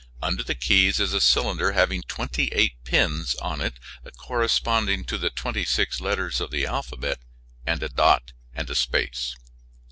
Under the keys is a cylinder having twenty eight pins on it corresponding to the twenty six letters of the alphabet and a dot and a space.